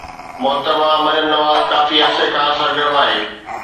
محترمه مريم نواز ڪافي عرصي کان سرگرم آهي.